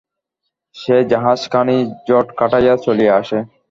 সেই জাহাজখানিই ঝড় কাটাইয়া চলিয়া আসে।